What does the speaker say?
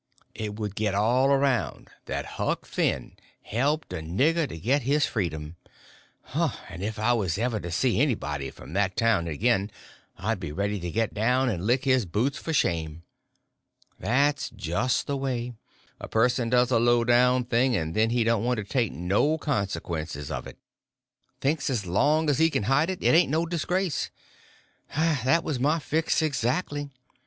_ It would get all around that Huck Finn helped a nigger to get his freedom; and if I was ever to see anybody from that town again I'd be ready to get down and lick his boots for shame. That's just the way: a person does a low down thing, and then he don't want to take no consequences of it. Thinks as long as he can hide it, it ain't no disgrace. That was my fix exactly.